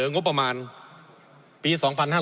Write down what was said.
งบประมาณปี